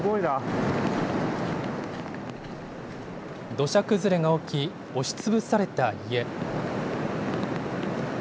土砂崩れが起き、押しつぶされた家。